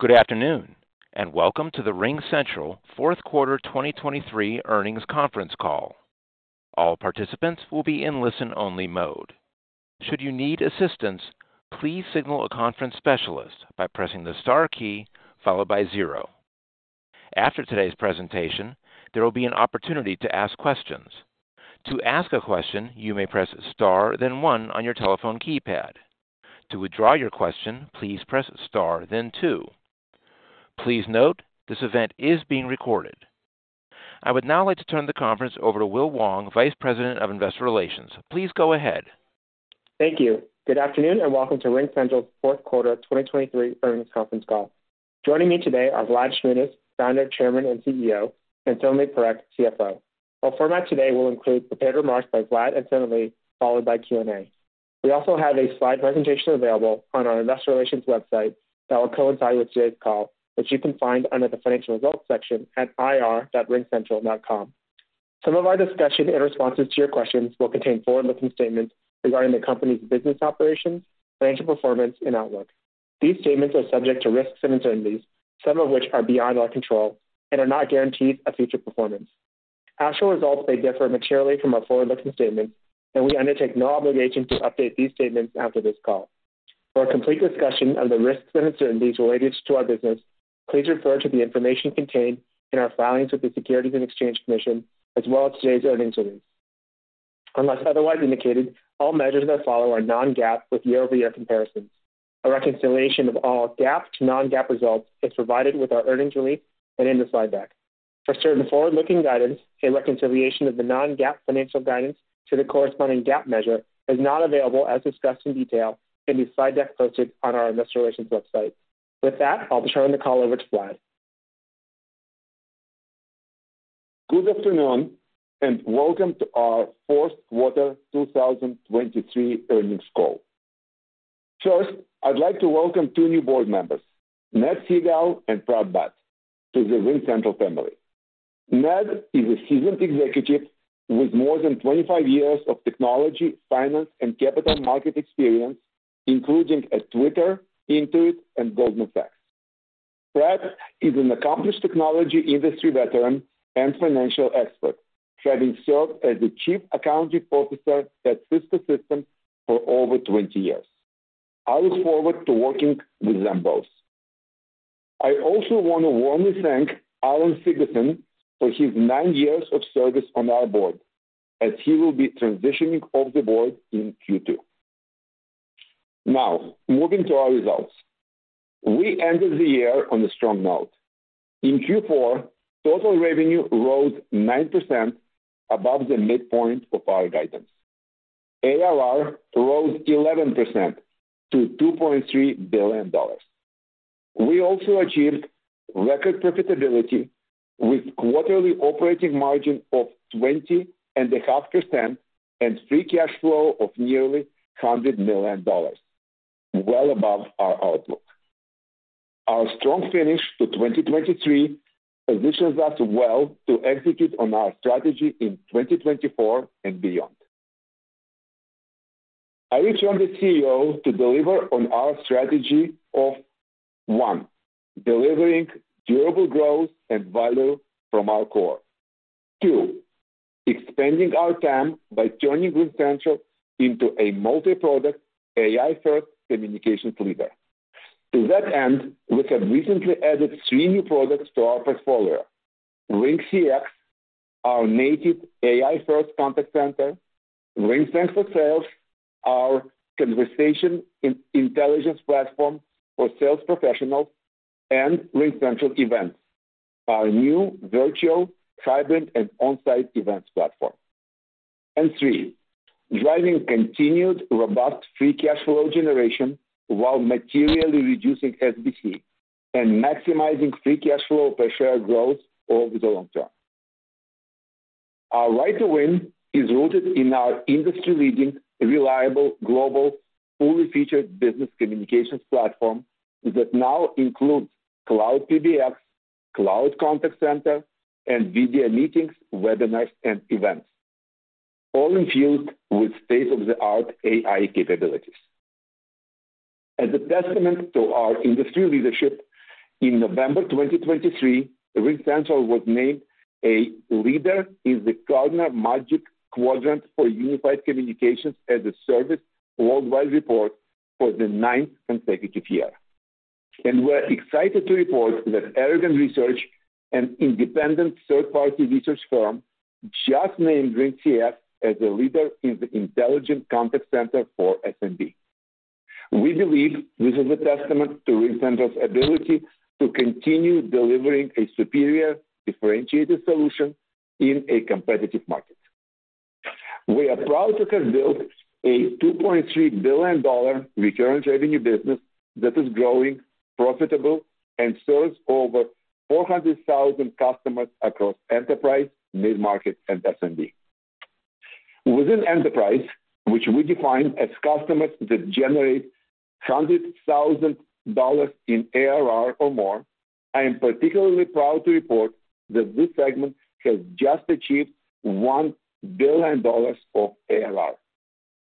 Good afternoon, and welcome to the RingCentral Fourth Quarter 2023 Earnings Conference Call. All participants will be in listen-only mode. Should you need assistance, please signal a conference specialist by pressing the star key followed by 0. After today's presentation, there will be an opportunity to ask questions. To ask a question, you may press star then one on your telephone keypad. To withdraw your question, please press star then two. Please note, this event is being recorded. I would now like to turn the conference over to Will Wong, Vice President of Investor Relations. Please go ahead. Thank you. Good afternoon, and welcome to RingCentral's Fourth Quarter 2023 Earnings Conference Call. Joining me today are Vlad Shmunis, Founder, Chairman, and CEO, and Sonalee Parekh, CFO. Our format today will include prepared remarks by Vlad and Sonalee, followed by Q&A. We also have a slide presentation available on our investor relations website that will coincide with today's call, which you can find under the Financial Results section at ir.ringcentral.com. Some of our discussion in responses to your questions will contain forward-looking statements regarding the company's business operations, financial performance, and outlook. These statements are subject to risks and uncertainties, some of which are beyond our control and are not guarantees of future performance. Actual results may differ materially from our forward-looking statements, and we undertake no obligation to update these statements after this call. For a complete discussion of the risks and uncertainties related to our business, please refer to the information contained in our filings with the Securities and Exchange Commission, as well as today's earnings release. Unless otherwise indicated, all measures that follow are non-GAAP with year-over-year comparisons. A reconciliation of all GAAP to non-GAAP results is provided with our earnings release and in the slide deck. For certain forward-looking guidance, a reconciliation of the non-GAAP financial guidance to the corresponding GAAP measure is not available as discussed in detail in the slide deck posted on our investor relations website. With that, I'll turn the call over to Vlad. Good afternoon, and welcome to our fourth quarter 2023 earnings call. First, I'd like to welcome two new board members, Ned Segal and Prat Bhatt, to the RingCentral family. Ned is a seasoned executive with more than 25 years of technology, finance, and capital market experience, including at Twitter, Intuit, and Goldman Sachs. Prat Bhatt is an accomplished technology industry veteran and financial expert, having served as the Chief Accounting Officer at Cisco Systems for over 20 years. I look forward to working with them both. I also want to warmly thank Allan Thygesen for his 9 years of service on our board, as he will be transitioning off the board in Q2. Now, moving to our results. We ended the year on a strong note. In Q4, total revenue rose 9% above the midpoint of our guidance. ARR rose 11% to $2.3 billion. We also achieved record profitability with quarterly operating margin of 20.5% and free cash flow of nearly $100 million, well above our outlook. Our strong finish to 2023 positions us well to execute on our strategy in 2024 and beyond. I returned as CEO to deliver on our strategy of, one, delivering durable growth and value from our core. Two, expanding our TAM by turning RingCentral into a multi-product, AI-first communications leader. To that end, we have recently added three new products to our portfolio. RingCX, our native AI-first contact center, RingSense, our conversation intelligence platform for sales professionals, and RingCentral Events, our new virtual, hybrid, and on-site events platform. And three, driving continued robust free cash flow generation while materially reducing SBC and maximizing free cash flow per share growth over the long term. Our right to win is rooted in our industry-leading, reliable, global, fully featured business communications platform that now includes Cloud PBX, cloud contact center, and video meetings, webinars, and events, all infused with state-of-the-art AI capabilities. As a testament to our industry leadership, in November 2023, RingCentral was named a leader in the Gartner Magic Quadrant for Unified Communications as a Service Worldwide report for the 9th consecutive year. We're excited to report that Aragon Research, an independent third-party research firm, just named RingCX as a leader in the intelligent contact center for SMB. We believe this is a testament to RingCentral's ability to continue delivering a superior, differentiated solution in a competitive market. We are proud to have built a $2.3 billion recurring revenue business that is growing, profitable, and serves over 400,000 customers across enterprise, mid-market, and SMB. Within Enterprise, which we define as customers that generate $100,000 in ARR or more, I am particularly proud to report that this segment has just achieved $1 billion of ARR.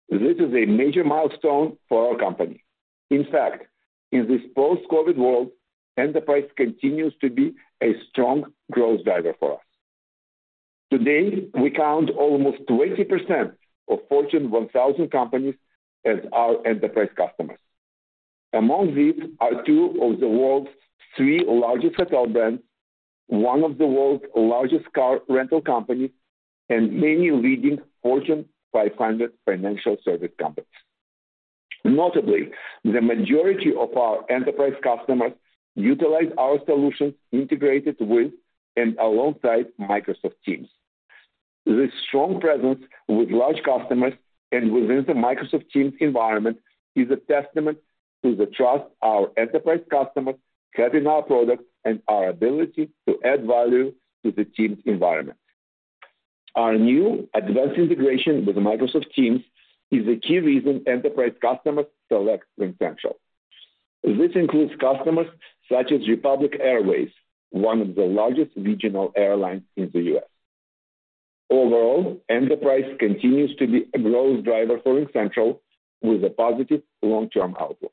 This is a major milestone for our company. In fact, in this post-COVID world, Enterprise continues to be a strong growth driver for us. Today, we count almost 20% of Fortune 1000 companies as our Enterprise customers. Among these are two of the world's three largest hotel brands, one of the world's largest car rental companies, and many leading Fortune 500 financial service companies. Notably, the majority of our Enterprise customers utilize our solutions integrated with and alongside Microsoft Teams. This strong presence with large customers and within the Microsoft Teams environment is a testament to the trust our enterprise customers have in our products and our ability to add value to the Teams' environment. Our new advanced integration with Microsoft Teams is the key reason enterprise customers select RingCentral. This includes customers such as Republic Airways, one of the largest regional airlines in the U.S. Overall, enterprise continues to be a growth driver for RingCentral with a positive long-term outlook.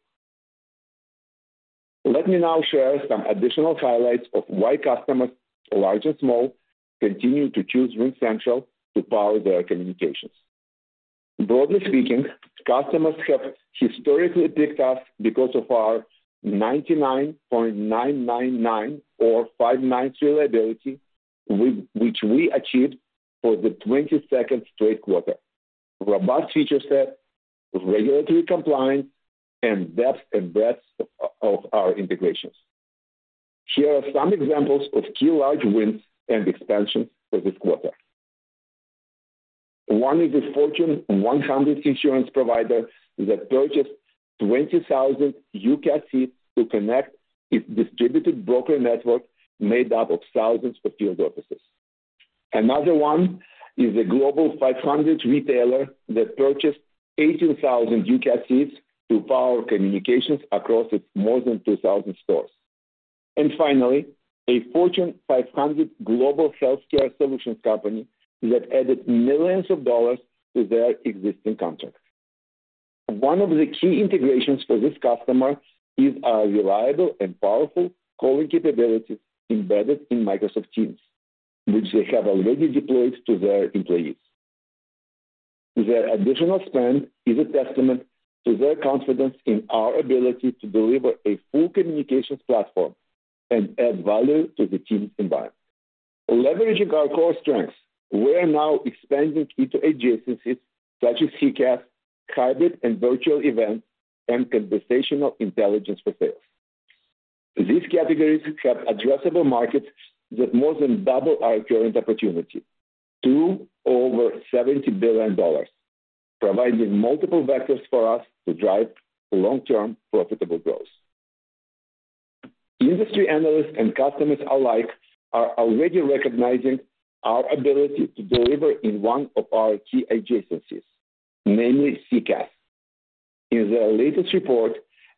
Let me now share some additional highlights of why customers, large and small, continue to choose RingCentral to power their communications. Broadly speaking, customers have historically picked us because of our 99.999 or five 9s reliability, which we achieved for the 22nd straight quarter. Robust feature set, regulatory compliance, and depth and breadth of our integrations. Here are some examples of key large wins and expansion for this quarter. One is a Fortune 100 insurance provider that purchased 20,000 UCaaS seats to connect its distributed broker network, made up of thousands of field offices. Another one is a Global 500 retailer that purchased 18,000 UCaaS seats to power communications across its more than 2,000 stores. And finally, a Fortune 500 global healthcare solutions company that added millions to their existing contract. One of the key integrations for this customer is our reliable and powerful calling capabilities embedded in Microsoft Teams, which they have already deployed to their employees. Their additional spend is a testament to their confidence in our ability to deliver a full communications platform and add value to the team's environment. Leveraging our core strengths, we are now expanding into adjacencies such as CCaaS, hybrid and virtual events, and conversational intelligence for sales. These categories have addressable markets that more than double our current opportunity to over $70 billion, providing multiple vectors for us to drive long-term profitable growth. Industry analysts and customers alike are already recognizing our ability to deliver in one of our key adjacencies, namely CCaaS. In their latest report,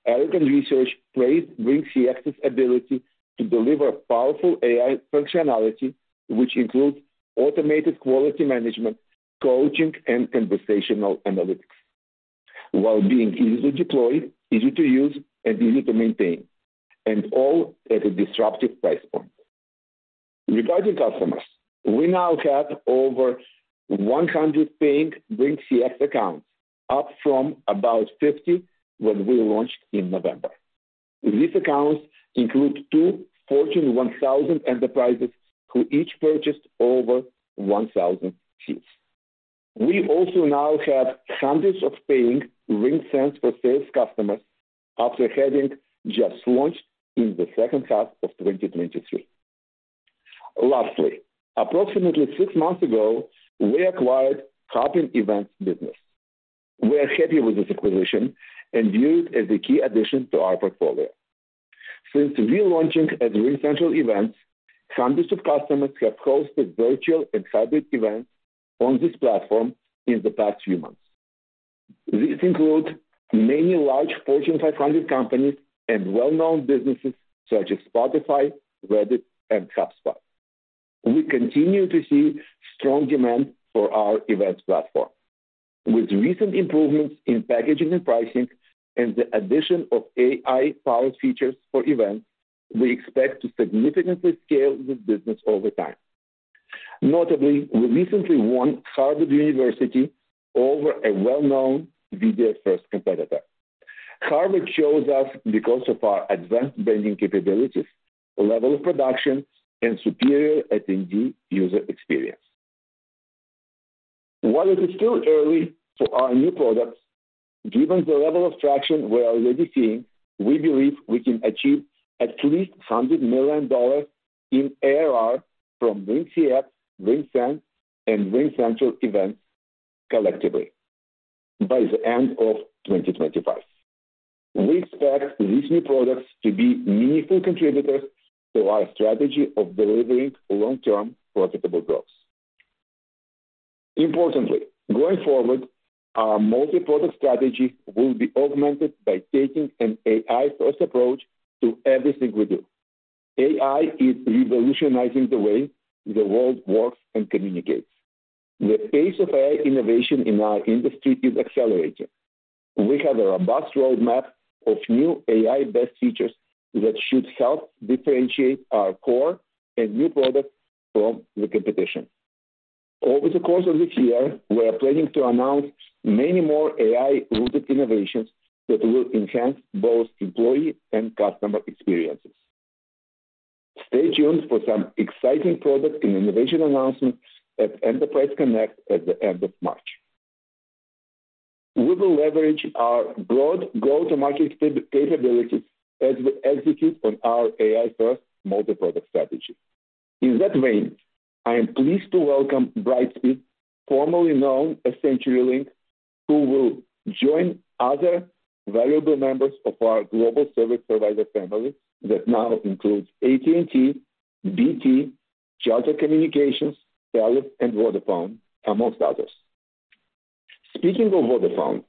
Aragon Research praised RingCX's ability to deliver powerful AI functionality, which includes automated quality management, coaching, and conversational analytics, while being easy to deploy, easy to use, and easy to maintain, and all at a disruptive price point. Regarding customers, we now have over 100 paying RingCX accounts, up from about 50 when we launched in November. These accounts include two Fortune 1000 enterprises who each purchased over 1,000 seats. We also now have hundreds of paying RingSense for Sales customers after having just launched in the second half of 2023. Lastly, approximately six months ago, we acquired Hopin Events business. We are happy with this acquisition and view it as a key addition to our portfolio. Since relaunching as RingCentral Events, hundreds of customers have hosted virtual and hybrid events on this platform in the past few months. This includes many large Fortune 500 companies and well-known businesses such as Spotify, Reddit, and HubSpot. We continue to see strong demand for our events platform. With recent improvements in packaging and pricing and the addition of AI-powered features for events, we expect to significantly scale this business over time. Notably, we recently won Harvard University over a well-known video-first competitor. Harvard chose us because of our advanced branding capabilities, level of production, and superior attendee user experience. While it is still early for our new products, given the level of traction we are already seeing, we believe we can achieve at least $100 million in ARR from RingCX, RingSense, and RingCentral Events collectively by the end of 2025. We expect these new products to be meaningful contributors to our strategy of delivering long-term profitable growth. Importantly, going forward, our multi-product strategy will be augmented by taking an AI-first approach to everything we do. AI is revolutionizing the way the world works and communicates. The pace of AI innovation in our industry is accelerating. We have a robust roadmap of new AI-based features that should help differentiate our core and new products from the competition. Over the course of this year, we are planning to announce many more AI-rooted innovations that will enhance both employee and customer experiences. Stay tuned for some exciting product and innovation announcements at Enterprise Connect at the end of March. We will leverage our broad go-to-market capabilities as we execute on our AI-first multi-product strategy. In that vein, I am pleased to welcome Brightspeed, formerly known as CenturyLink, who will join other valuable members of our global service provider family that now includes AT&T, BT, Charter Communications, TELUS, and Vodafone, amongst others. Speaking of Vodafone,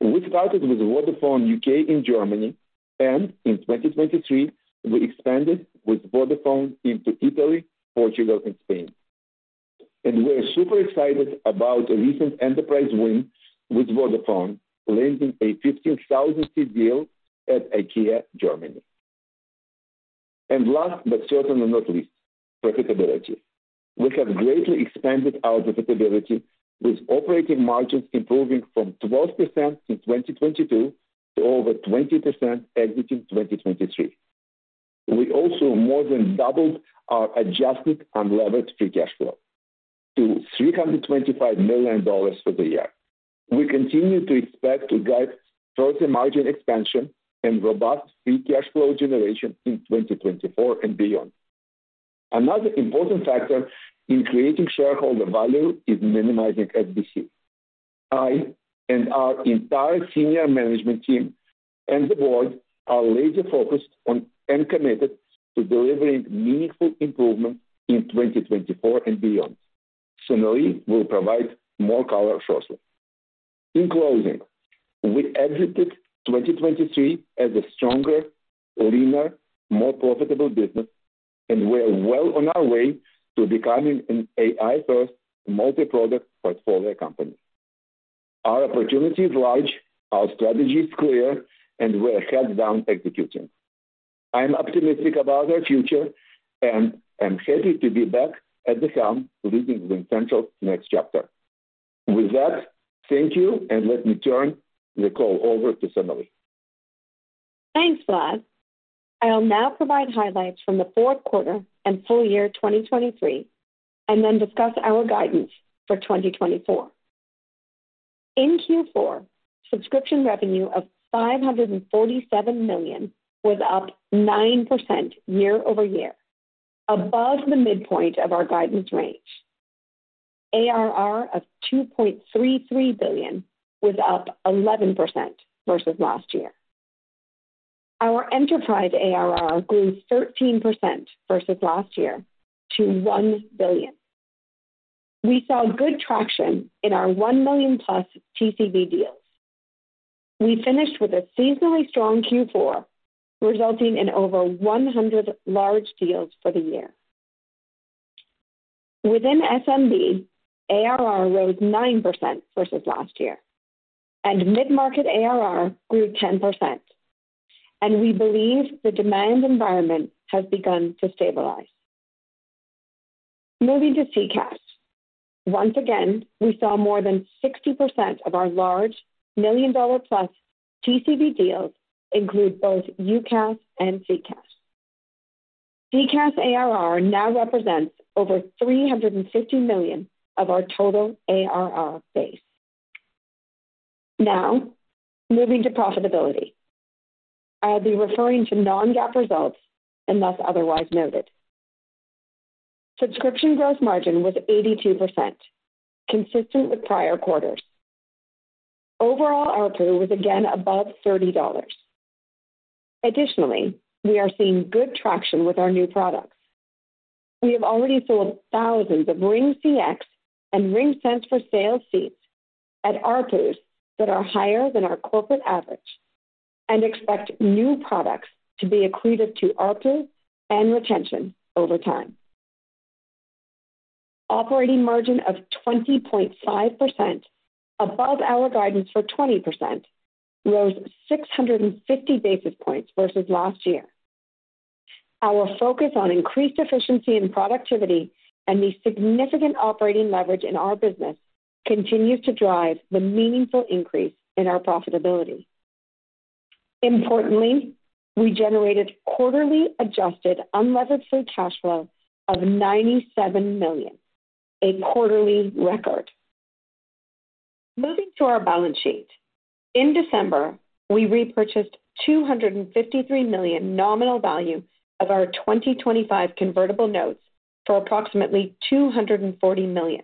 we started with Vodafone UK and Germany, and in 2023, we expanded with Vodafone into Italy, Portugal, and Spain. We're super excited about a recent enterprise win with Vodafone, landing a 15,000-seat deal at IKEA, Germany. Last but certainly not least, profitability. We have greatly expanded our profitability, with operating margins improving from 12% in 2022 to over 20% exiting 2023. We also more than doubled our adjusted unlevered free cash flow to $325 million for the year. We continue to expect to drive further margin expansion and robust free cash flow generation in 2024 and beyond. Another important factor in creating shareholder value is minimizing SBC. I and our entire senior management team and the board are laser focused on and committed to delivering meaningful improvement in 2024 and beyond. Sonalee will provide more color shortly. In closing, we exited 2023 as a stronger, leaner, more profitable business, and we're well on our way to becoming an AI-first, multi-product portfolio company. Our opportunity is large, our strategy is clear, and we're heads down executing. I'm optimistic about our future, and I'm happy to be back at the helm, leading RingCentral's next chapter. With that, thank you, and let me turn the call over to Sonalee. Thanks, Vlad. I'll now provide highlights from the fourth quarter and full year 2023, and then discuss our guidance for 2024. In Q4, subscription revenue of $547 million was up 9% year over year, above the midpoint of our guidance range. ARR of $2.33 billion was up 11% versus last year. Our enterprise ARR grew 13% versus last year to $1 billion. We saw good traction in our $1 million+ TCV deals. We finished with a seasonally strong Q4, resulting in over 100 large deals for the year. Within SMB, ARR rose 9% versus last year, and mid-market ARR grew 10%, and we believe the demand environment has begun to stabilize. Moving to CCaaS. Once again, we saw more than 60% of our large $1 million+ TCV deals include both UCaaS and CCaaS. CCaaS ARR now represents over $350 million of our total ARR base. Now, moving to profitability. I'll be referring to non-GAAP results, unless otherwise noted. Subscription gross margin was 82%, consistent with prior quarters. Overall, ARPU was again above $30. Additionally, we are seeing good traction with our new products. We have already sold thousands of RingCX and RingSense for Sales seats at ARPUs that are higher than our corporate average and expect new products to be accretive to ARPU and retention over time. Operating margin of 20.5%, above our guidance for 20%, rose 650 basis points versus last year. Our focus on increased efficiency and productivity, and the significant operating leverage in our business continues to drive the meaningful increase in our profitability. Importantly, we generated quarterly adjusted unlevered free cash flow of $97 million, a quarterly record. Moving to our balance sheet. In December, we repurchased $253 million nominal value of our 2025 convertible notes for approximately $240 million.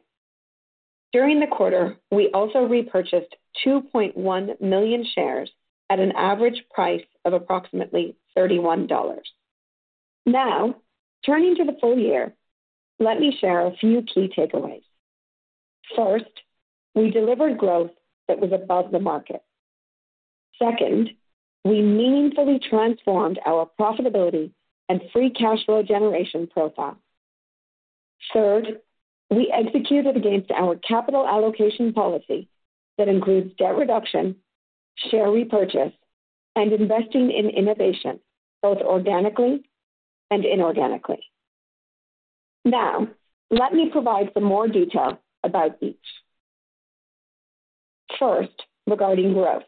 During the quarter, we also repurchased 2.1 million shares at an average price of approximately $31. Now, turning to the full year, let me share a few key takeaways. First, we delivered growth that was above the market.... Second, we meaningfully transformed our profitability and free cash flow generation profile. Third, we executed against our capital allocation policy that includes debt reduction, share repurchase, and investing in innovation, both organically and inorganically. Now, let me provide some more detail about each. First, regarding growth.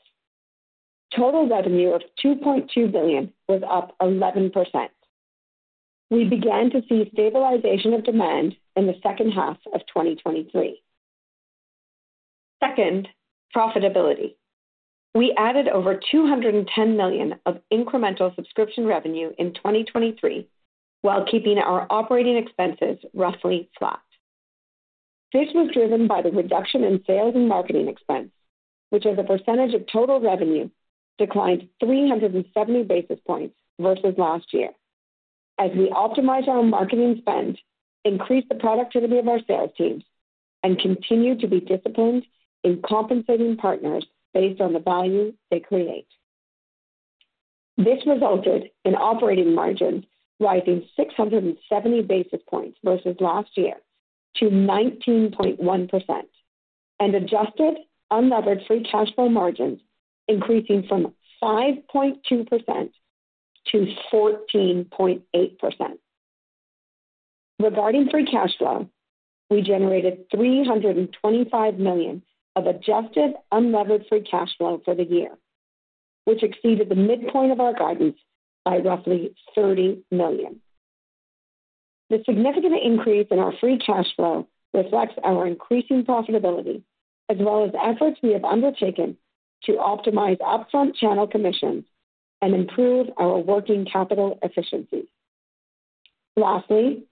Total revenue of $2.2 billion was up 11%. We began to see stabilization of demand in the second half of 2023. Second, profitability. We added over $210 million of incremental subscription revenue in 2023, while keeping our operating expenses roughly flat. This was driven by the reduction in sales and marketing expense, which as a percentage of total revenue, declined 370 basis points versus last year. As we optimize our marketing spend, increase the productivity of our sales teams, and continue to be disciplined in compensating partners based on the value they create. This resulted in operating margins rising 670 basis points versus last year to 19.1%, and adjusted unlevered free cash flow margins increasing from 5.2%-14.8%. Regarding free cash flow, we generated $325 million of adjusted unlevered free cash flow for the year, which exceeded the midpoint of our guidance by roughly $30 million. The significant increase in our free cash flow reflects our increasing profitability, as well as efforts we have undertaken to optimize upfront channel commissions and improve our working capital efficiency. Lastly,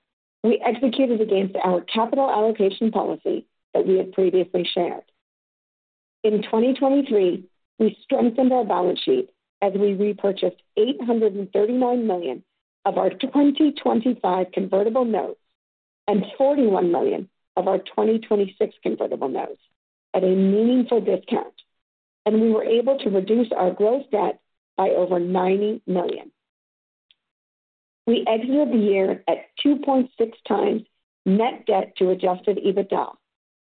we executed against our capital allocation policy that we had previously shared. In 2023, we strengthened our balance sheet as we repurchased $839 million of our 2025 convertible notes and $41 million of our 2026 convertible notes at a meaningful discount, and we were able to reduce our gross debt by over $90 million. We exited the year at 2.6 times net debt to adjusted EBITDA,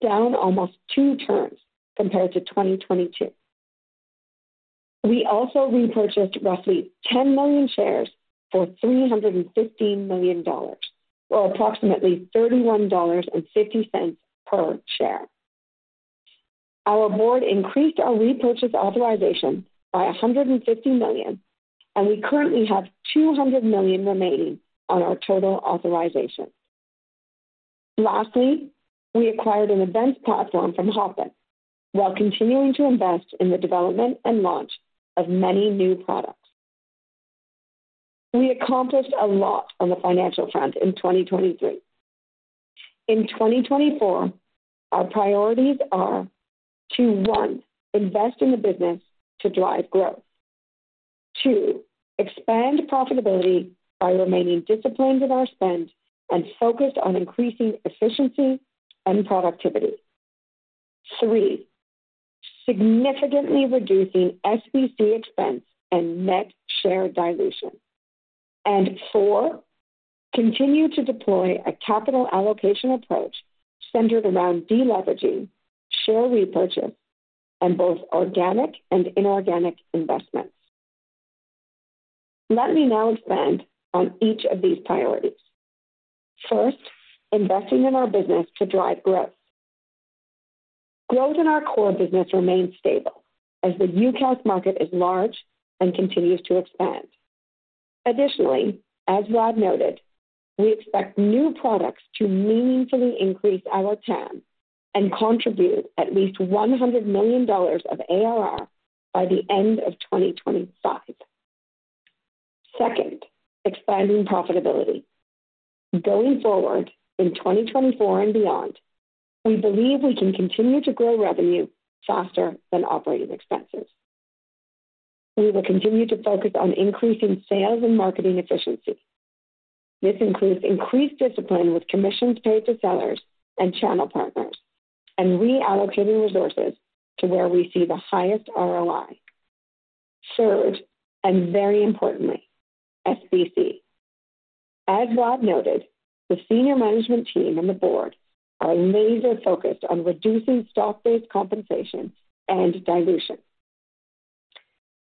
down almost two turns compared to 2022. We also repurchased roughly 10 million shares for $315 million, or approximately $31.50 per share. Our board increased our repurchase authorization by $150 million, and we currently have $200 million remaining on our total authorization. Lastly, we acquired an events platform from Hopin, while continuing to invest in the development and launch of many new products. We accomplished a lot on the financial front in 2023. In 2024, our priorities are: one, invest in the business to drive growth. Two, expand profitability by remaining disciplined with our spend and focused on increasing efficiency and productivity. Three, significantly reducing SBC expense and net share dilution. And four, continue to deploy a capital allocation approach centered around deleveraging, share repurchase, and both organic and inorganic investments. Let me now expand on each of these priorities. First, investing in our business to drive growth. Growth in our core business remains stable as the UCaaS market is large and continues to expand. Additionally, as Vlad noted, we expect new products to meaningfully increase our TAM and contribute at least $100 million of ARR by the end of 2025. Second, expanding profitability. Going forward, in 2024 and beyond, we believe we can continue to grow revenue faster than operating expenses. We will continue to focus on increasing sales and marketing efficiency. This includes increased discipline with commissions paid to sellers and channel partners, and reallocating resources to where we see the highest ROI. Third, and very importantly, SBC. As Vlad noted, the senior management team and the board are laser focused on reducing stock-based compensation and dilution.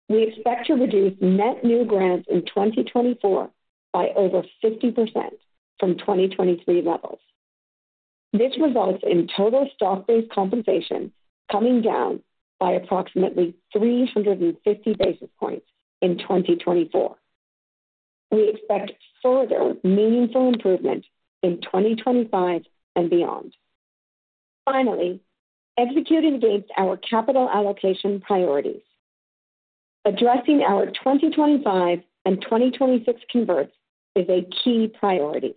We expect to reduce net new grants in 2024 by over 50% from 2023 levels. This results in total stock-based compensation coming down by approximately 350 basis points in 2024. We expect further meaningful improvement in 2025 and beyond. Finally, execute against our capital allocation priorities. Addressing our 2025 and 2026 converts is a key priority.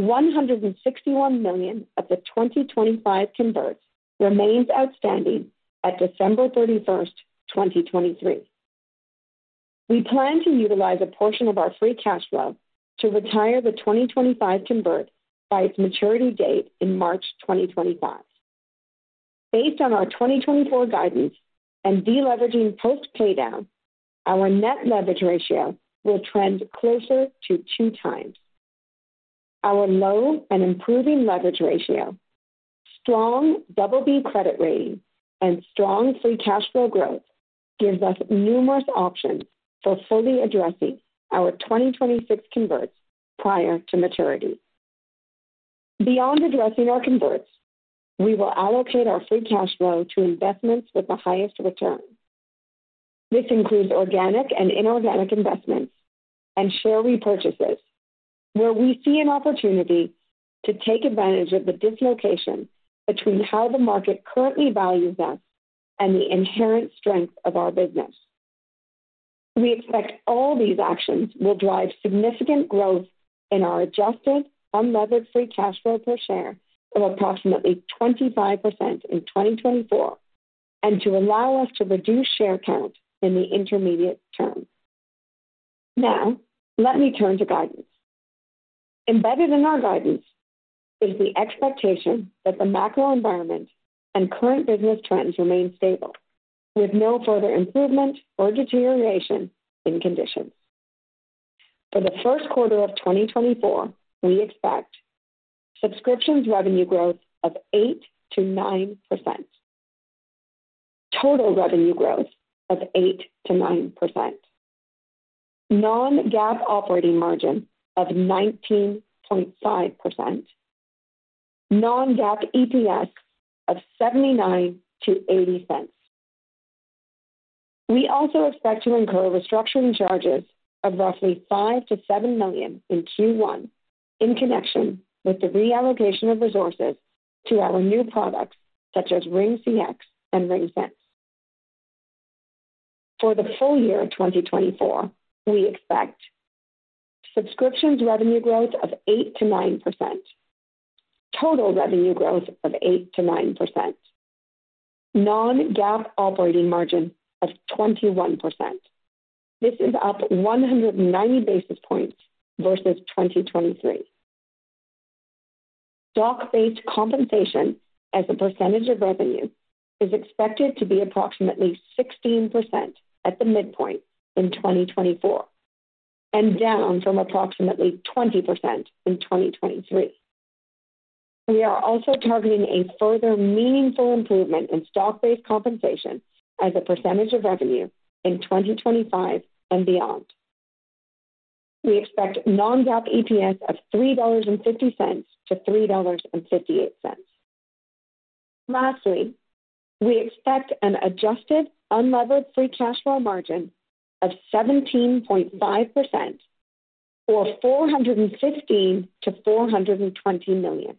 $161 million of the 2025 converts remains outstanding at December 31, 2023.... We plan to utilize a portion of our free cash flow to retire the 2025 convert by its maturity date in March 2025. Based on our 2024 guidance and de-leveraging post-paydown, our net leverage ratio will trend closer to 2x. Our low and improving leverage ratio, strong double B credit rating, and strong free cash flow growth gives us numerous options for fully addressing our 2026 converts prior to maturity. Beyond addressing our converts, we will allocate our free cash flow to investments with the highest return. This includes organic and inorganic investments and share repurchases, where we see an opportunity to take advantage of the dislocation between how the market currently values us and the inherent strength of our business. We expect all these actions will drive significant growth in our adjusted unlevered free cash flow per share of approximately 25% in 2024, and to allow us to reduce share count in the intermediate term. Now, let me turn to guidance. Embedded in our guidance is the expectation that the macro environment and current business trends remain stable, with no further improvement or deterioration in conditions. For the first quarter of 2024, we expect subscriptions revenue growth of 8%-9%, total revenue growth of 8%-9%, non-GAAP operating margin of 19.5%, non-GAAP EPS of $0.79-$0.80. We also expect to incur restructuring charges of roughly $5 million-$7 million in Q1 in connection with the reallocation of resources to our new products, such as RingCX and RingSense. For the full year of 2024, we expect subscriptions revenue growth of 8%-9%, total revenue growth of 8%-9%, non-GAAP operating margin of 21%. This is up 190 basis points versus 2023. Stock-based compensation as a percentage of revenue is expected to be approximately 16% at the midpoint in 2024, and down from approximately 20% in 2023. We are also targeting a further meaningful improvement in stock-based compensation as a percentage of revenue in 2025 and beyond. We expect non-GAAP EPS of $3.50-$3.58. Lastly, we expect an adjusted unlevered free cash flow margin of 17.5%, or $415 million-$420 million.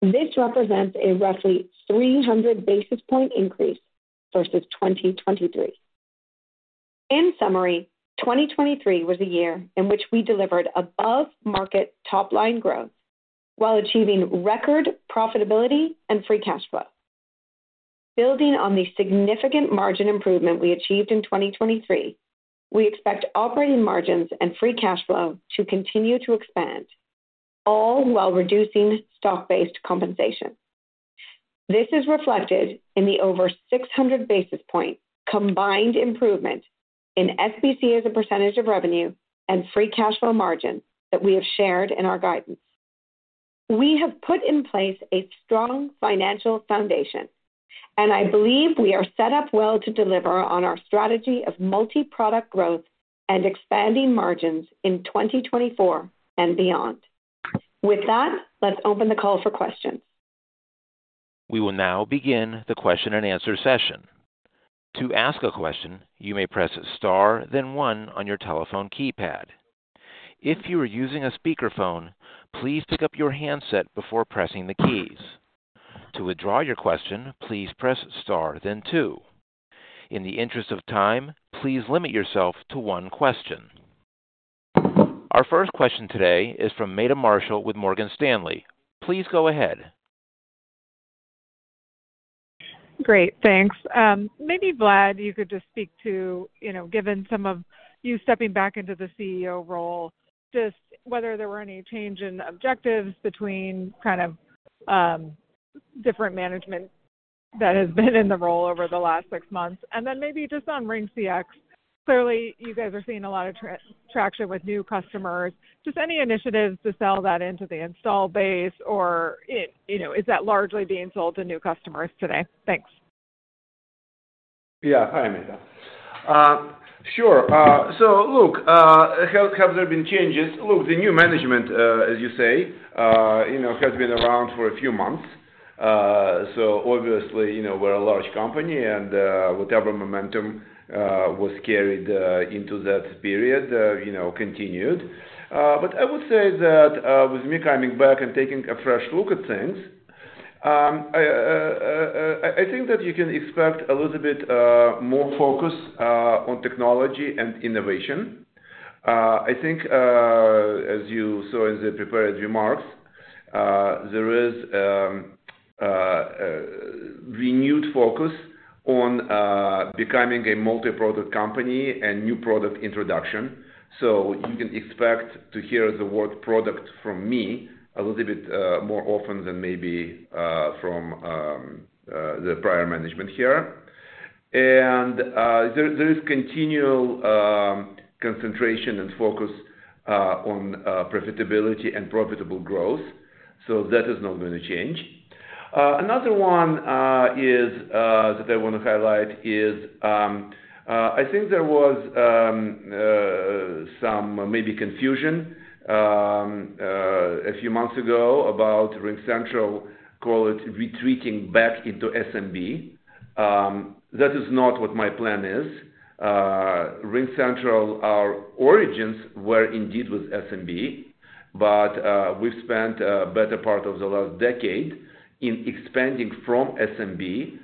This represents a roughly 300 basis point increase versus 2023. In summary, 2023 was a year in which we delivered above-market top-line growth while achieving record profitability and free cash flow. Building on the significant margin improvement we achieved in 2023, we expect operating margins and free cash flow to continue to expand, all while reducing stock-based compensation. This is reflected in the over 600 basis points combined improvement in SBC as a percentage of revenue and free cash flow margin that we have shared in our guidance. We have put in place a strong financial foundation, and I believe we are set up well to deliver on our strategy of multi-product growth and expanding margins in 2024 and beyond. With that, let's open the call for questions. We will now begin the question-and-answer session. To ask a question, you may press Star, then one on your telephone keypad. If you are using a speakerphone, please pick up your handset before pressing the keys. To withdraw your question, please press Star then two. In the interest of time, please limit yourself to one question. Our first question today is from Meta Marshall with Morgan Stanley. Please go ahead. Great, thanks. Maybe, Vlad, you could just speak to, you know, given some of you stepping back into the CEO role, just whether there were any change in objectives between kind of, different management that has been in the role over the last six months. And then maybe just on RingCX. Clearly, you guys are seeing a lot of traction with new customers. Just any initiatives to sell that into the install base, or it, you know, is that largely being sold to new customers today? Thanks. Yeah. Hi, Meta. Sure. So look, how have there been changes? Look, the new management, as you say, you know, has been around for a few months. So obviously, you know, we're a large company, and whatever momentum was carried into that period, you know, continued. But I would say that, with me coming back and taking a fresh look at things, I think that you can expect a little bit more focus on technology and innovation. I think, as you saw in the prepared remarks, there is a renewed focus on becoming a multi-product company and new product introduction. So you can expect to hear the word product from me a little bit, more often than maybe, from, the prior management here. There, there is continual, concentration and focus, on, profitability and profitable growth, so that is not going to change. Another one, is, that I want to highlight is, I think there was, some maybe confusion, a few months ago about RingCentral call it retreating back into SMB. That is not what my plan is. RingCentral, our origins were indeed with SMB, but, we've spent a better part of the last decade in expanding from SMB,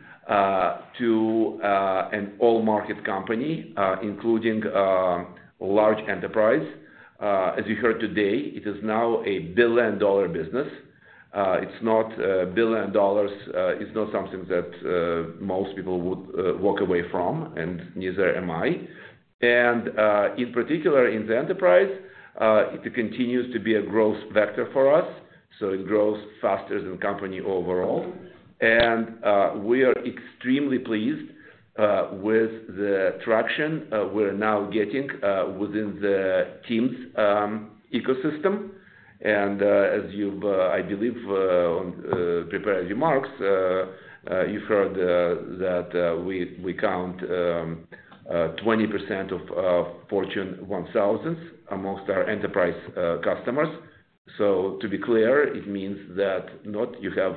to, an all market company, including, large enterprise. As you heard today, it is now a billion-dollar business. It's not. Billion dollars is not something that most people would walk away from, and neither am I. In particular, in the enterprise, it continues to be a growth vector for us, so it grows faster than the company overall. We are extremely pleased with the traction we're now getting within the team's ecosystem. As you've, I believe, on prepared remarks, you've heard that we count 20% of Fortune 1000s amongst our enterprise customers. So to be clear, it means that not you have,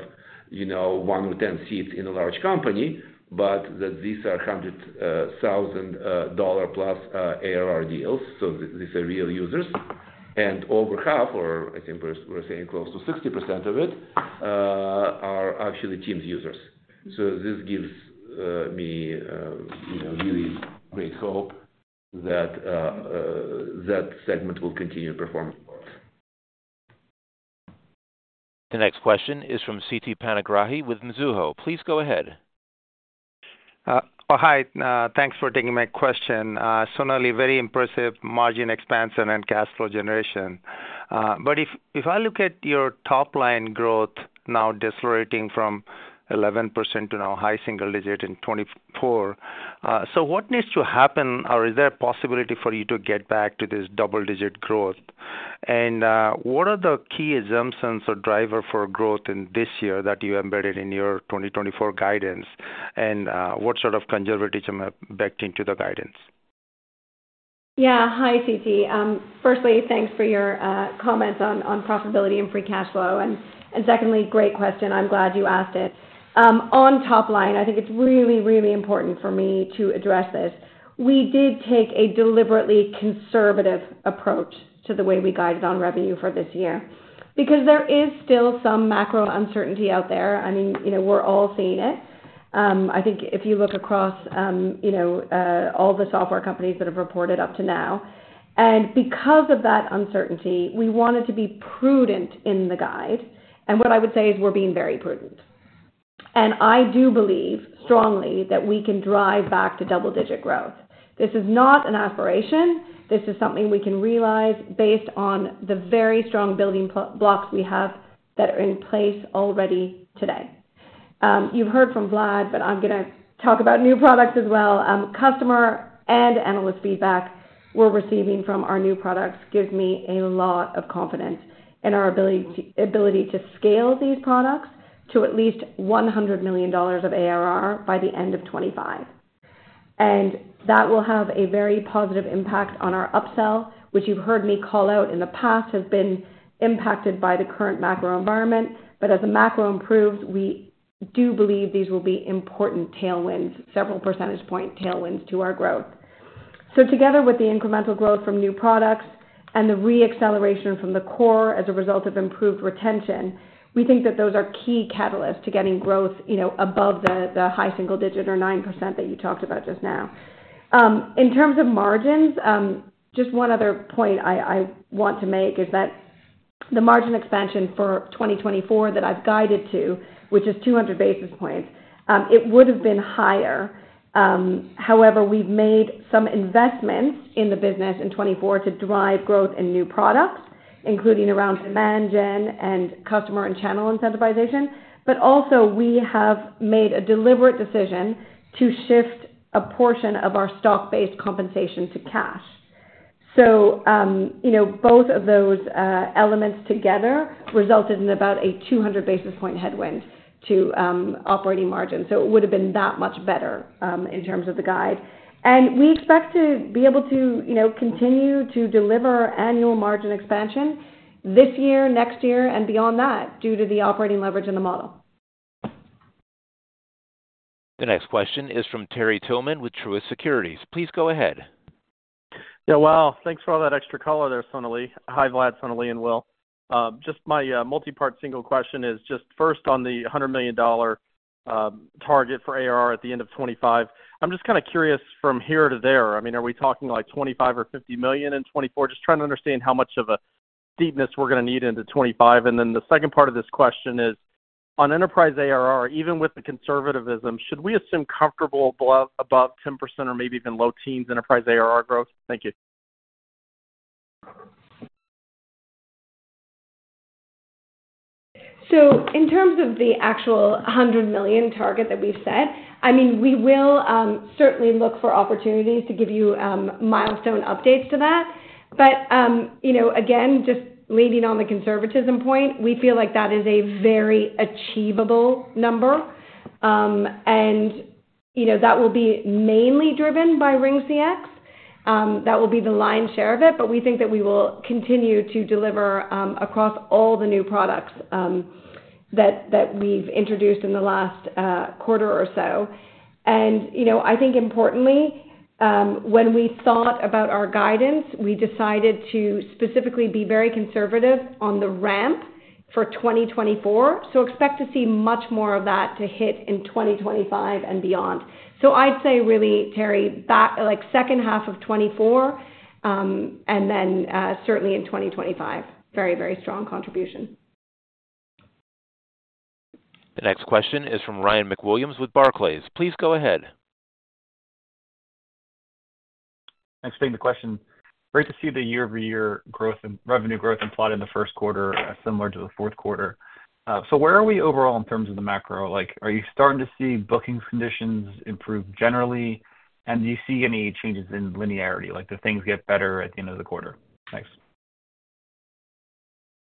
you know, one in ten seats in a large company, but that these are $100,000+ ARR deals. So these are real users. And over half, or I think we're saying close to 60% of it are actually Teams users. So this gives me, you know, really great hope that that segment will continue to perform. The next question is from Siti Panigrahi with Mizuho. Please go ahead. Oh, hi, thanks for taking my question. Sonalee, very impressive margin expansion and cash flow generation. But if, if I look at your top line growth now decelerating from 11% to now high single digit in 2024, so what needs to happen, or is there a possibility for you to get back to this double digit growth? And, what are the key assumptions or driver for growth in this year that you embedded in your 2024 guidance? And, what sort of conservatism are backed into the guidance? Yeah. Hi, Siti. Firstly, thanks for your comments on profitability and free cash flow. And secondly, great question. I'm glad you asked it. On top line, I think it's really, really important for me to address this. We did take a deliberately conservative approach to the way we guided on revenue for this year, because there is still some macro uncertainty out there. I mean, you know, we're all seeing it. I think if you look across, you know, all the software companies that have reported up to now, and because of that uncertainty, we wanted to be prudent in the guide, and what I would say is we're being very prudent. And I do believe strongly that we can drive back to double digit growth. This is not an aspiration, this is something we can realize based on the very strong building blocks we have that are in place already today. You've heard from Vlad, but I'm going to talk about new products as well. Customer and analyst feedback we're receiving from our new products gives me a lot of confidence in our ability to scale these products to at least $100 million of ARR by the end of 2025. And that will have a very positive impact on our upsell, which you've heard me call out in the past, has been impacted by the current macro environment. But as the macro improves, we do believe these will be important tailwinds, several percentage point tailwinds to our growth. So together with the incremental growth from new products and the re-acceleration from the core as a result of improved retention, we think that those are key catalysts to getting growth, you know, above the high single digit or 9% that you talked about just now. In terms of margins, just one other point I want to make is that the margin expansion for 2024 that I've guided to, which is 200 basis points, it would have been higher. However, we've made some investments in the business in 2024 to drive growth in new products, including around demand gen and customer and channel incentivization. But also, we have made a deliberate decision to shift a portion of our stock-based compensation to cash. So, you know, both of those elements together resulted in about a 200 basis point headwind to operating margins. So it would have been that much better in terms of the guide. And we expect to be able to, you know, continue to deliver annual margin expansion this year, next year, and beyond that, due to the operating leverage in the model. The next question is from Terry Tillman with Truist Securities. Please go ahead. Yeah, well, thanks for all that extra color there, Sonalee. Hi, Vlad, Sonalee, and Will. Just my multipart single question is just first on the $100 million dollar-... target for ARR at the end of 2025. I'm just kind of curious from here to there, I mean, are we talking like $25 million or $50 million in 2024? Just trying to understand how much of a deepness we're gonna need into 2025. And then the second part of this question is: on enterprise ARR, even with the conservatism, should we assume comfortable above, above 10% or maybe even low teens enterprise ARR growth? Thank you. So in terms of the actual $100 million target that we've set, I mean, we will certainly look for opportunities to give you milestone updates to that. But you know, again, just leaning on the conservatism point, we feel like that is a very achievable number. And you know, that will be mainly driven by RingCX. That will be the lion's share of it, but we think that we will continue to deliver across all the new products that we've introduced in the last quarter or so. And you know, I think importantly, when we thought about our guidance, we decided to specifically be very conservative on the ramp for 2024. So expect to see much more of that to hit in 2025 and beyond. I'd say really, Terry, that like second half of 2024, and then certainly in 2025, very, very strong contribution. The next question is from Ryan MacWilliams with Barclays. Please go ahead. Thanks for taking the question. Great to see the year-over-year growth and revenue growth and plot in the first quarter, similar to the fourth quarter. So where are we overall in terms of the macro? Like, are you starting to see bookings conditions improve generally? Do you see any changes in linearity, like, do things get better at the end of the quarter? Thanks.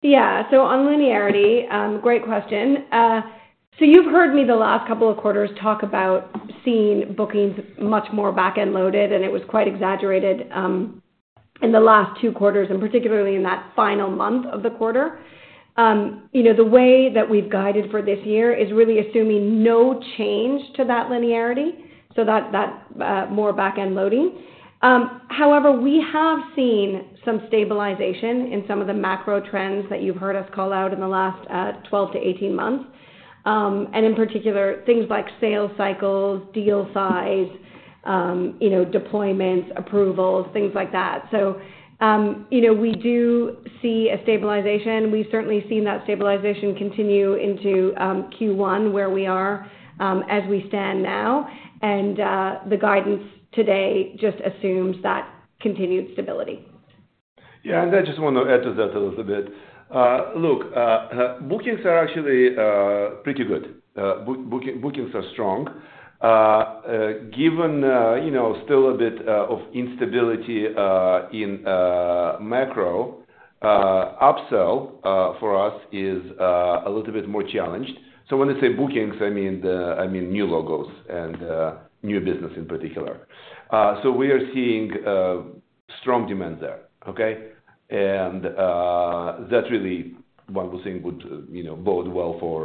Yeah. So on linearity, great question. So you've heard me the last couple of quarters talk about seeing bookings much more back-end loaded, and it was quite exaggerated, in the last two quarters, and particularly in that final month of the quarter. You know, the way that we've guided for this year is really assuming no change to that linearity, so that, that, more back-end loading. However, we have seen some stabilization in some of the macro trends that you've heard us call out in the last, 12-18 months. And in particular, things like sales cycles, deal size, you know, deployments, approvals, things like that. So, you know, we do see a stabilization. We've certainly seen that stabilization continue into Q1, where we are, as we stand now, and the guidance today just assumes that continued stability. Yeah, and I just want to add to that a little bit. Look, bookings are actually pretty good. Bookings are strong. Given you know still a bit of instability in macro, upsell for us is a little bit more challenged. So when I say bookings, I mean the I mean new logos and new business in particular. So we are seeing strong demand there. Okay? And that really, one would think, would you know bode well for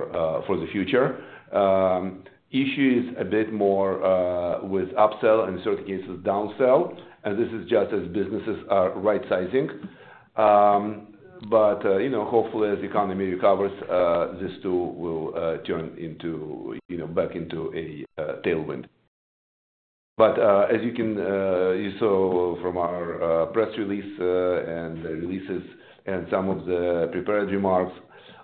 for the future. Issue is a bit more with upsell, in certain cases, downsell, and this is just as businesses are right-sizing. But you know hopefully, as the economy recovers, this too will turn into you know back into a tailwind. But as you can, you saw from our press release, and the releases and some of the prepared remarks,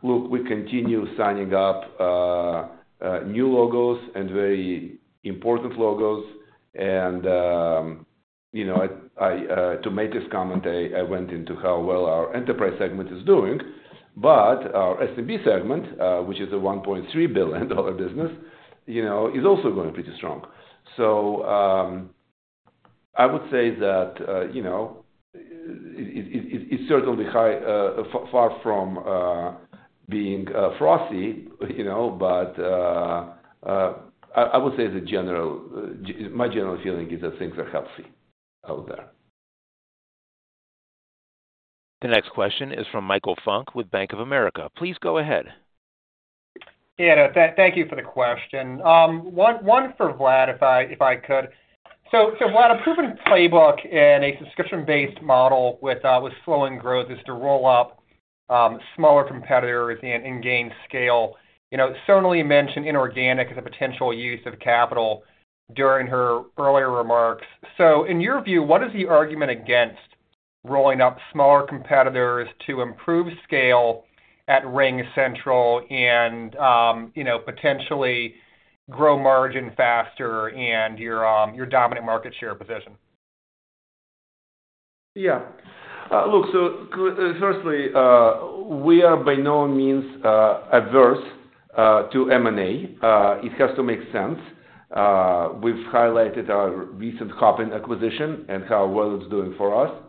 look, we continue signing up new logos and very important logos. And you know, to make this comment, I went into how well our enterprise segment is doing. But our S&P segment, which is a $1.3 billion business, you know, is also going pretty strong. So I would say that, you know, it's certainly far from being frosty, you know, but I would say my general feeling is that things are healthy out there. The next question is from Michael Funk with Bank of America. Please go ahead. Yeah, thank you for the question. One for Vlad, if I could. So Vlad, a proven playbook and a subscription-based model with slowing growth is to roll up smaller competitors and gain scale. You know, Sonalee mentioned inorganic as a potential use of capital during her earlier remarks. So in your view, what is the argument against rolling up smaller competitors to improve scale at RingCentral and you know, potentially grow margin faster in your dominant market share position? Yeah. Look, so, firstly, we are by no means adverse to M&A. It has to make sense. We've highlighted our recent Hopin acquisition and how well it's doing for us.